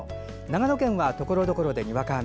長野県はところどころでにわか雨。